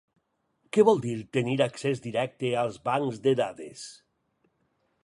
Què vol dir tenir accés directe als bancs de dades?